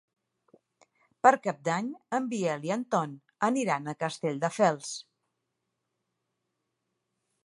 Per Cap d'Any en Biel i en Ton aniran a Castelldefels.